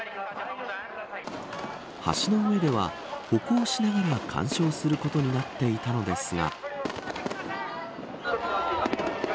橋の上では歩行しながら鑑賞することになっていたのですが。